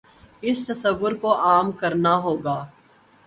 اس تصور کو عام کرنا ہو گا۔